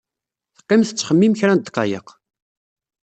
Teqqim tetxemmim kra n ddqayeq.